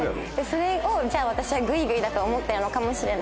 それをじゃあ私はグイグイだと思ってるのかもしれない。